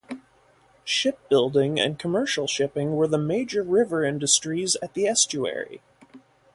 Ship building and commercial shipping were the major river industries at the estuary.